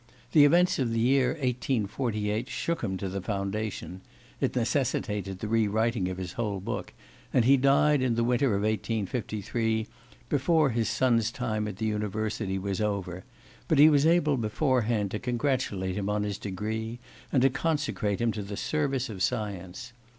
The events of the year 1848 shook him to the foundation (it necessitated the re writing of his whole book), and he died in the winter of 1853, before his son's time at the university was over, but he was able beforehand to congratulate him on his degree, and to consecrate him to the service of science.